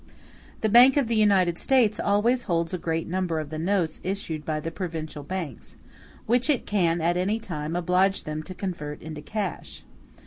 The Bank of the United States always holds a great number of the notes issued by the provincial banks, which it can at any time oblige them to convert into cash.